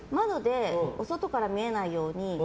お外から見えないように。